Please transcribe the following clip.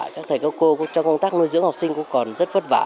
các thầy các cô trong công tác nuôi dưỡng học sinh cũng còn rất vất vả